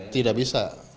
tidak bisa dipungkiri